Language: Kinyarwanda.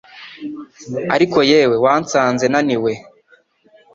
Ariko yewe wansanze naniwe